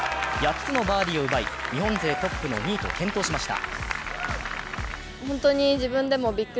８つのバーディーを奪い、日本勢トップの２位と健闘しました。